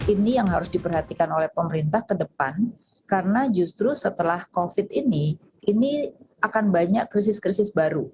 ini yang harus diperhatikan oleh pemerintah ke depan karena justru setelah covid ini ini akan banyak krisis krisis baru